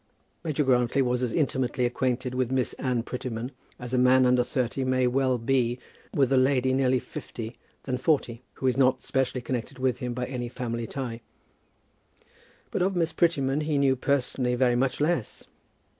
Major Grantly was as intimately acquainted with Miss Anne Prettyman as a man under thirty may well be with a lady nearer fifty than forty, who is not specially connected with him by any family tie; but of Miss Prettyman he knew personally very much less.